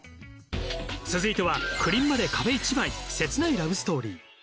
続いては不倫まで壁１枚切ないラブストーリー。